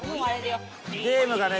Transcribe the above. ゲームがね